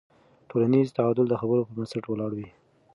ټولنیز تعامل د خبرو پر بنسټ ولاړ وي.